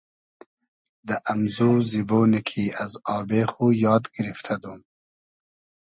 دۂ امزو زیبۉنی کی از آبې خو یاد گیرفتۂ دوم